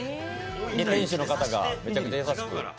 店主の方がめちゃくちゃ優しく。